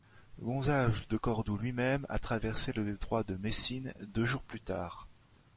Gonzalve de Cordoue lui-même a traversé le détroit de Messine deux jours plus tard.